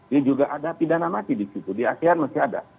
dia juga ada pidana mati di situ di asean masih ada